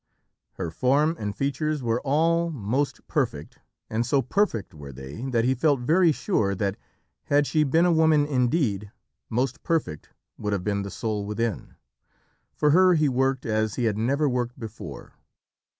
Her form and features were all most perfect, and so perfect were they, that he felt very sure that, had she been a woman indeed, most perfect would have been the soul within. For her he worked as he had never worked before.